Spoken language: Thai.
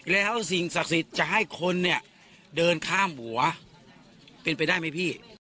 แล้วสิ่งศักดิ์สิทธิ์จะให้คนเนี่ยเดินข้ามหัวเป็นไปได้ไหมพี่